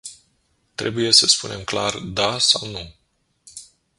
Trebuie să spunem clar "da” sau "nu”.